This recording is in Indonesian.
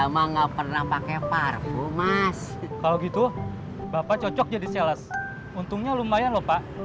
emang nggak pernah pakai parfum mas kalau gitu bapak cocok jadi sales untungnya lumayan lupa